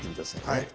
はい。